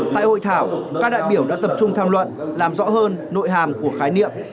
tại hội thảo các đại biểu đã tập trung tham luận làm rõ hơn nội hàm của khái niệm